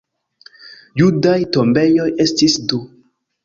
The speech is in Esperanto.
Judaj tombejoj estis du.